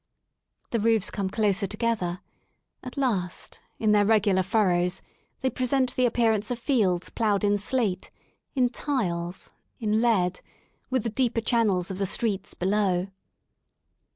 The roofs come closer together j at last, in their regular furrows, they present the ap pearance of fields ploughed in slate, in tiles, in lead, with the deeper channels of the streets below.